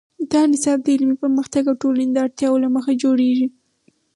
دا نصاب د علمي پرمختګ او ټولنې د اړتیاوو له مخې جوړیږي.